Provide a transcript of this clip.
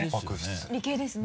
理系ですよね。